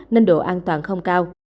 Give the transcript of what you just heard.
nên độ an toàn không cao